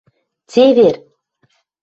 Цевер!